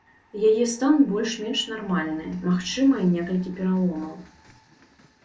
Яе стан больш-менш нармальны, магчымыя некалькі пераломаў.